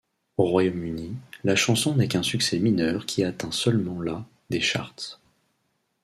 Au Royaume-Uni, la chanson n'est qu'un succès mineur qui atteint seulement la des charts.